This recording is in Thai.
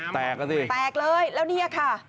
แตกอ่ะสิแตกเลยแล้วเนี่ยค่ะ